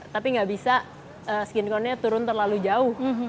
tapi nggak bisa skin tone nya turun terlalu jauh